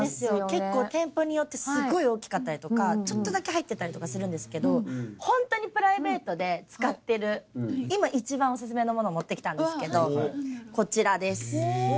結構店舗によってすごい大きかったりとかちょっとだけ入ってたりとかするんですけど。を持って来たんですけど。こちらです。